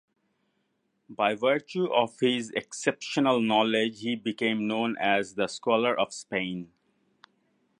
By virtue of his exceptional knowledge he became known as "the scholar of Spain".